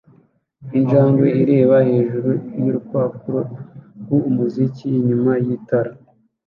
Injangwe ireba hejuru y'urupapuro rw'umuziki inyuma y'itara